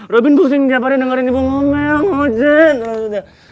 robin pusing tiap hari dengerin ibu ngomong ya ngoset